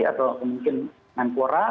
atau mungkin menpora